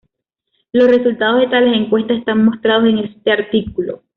Los resultados de tales encuestas están mostrados en este artículo.